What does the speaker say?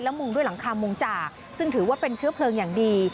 มุงด้วยหลังคามุงจากซึ่งถือว่าเป็นเชื้อเพลิงอย่างดี